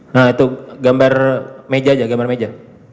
nah itu gambar meja aja gambar meja